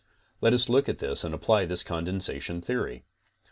Let us look at this and apply the condensation theory.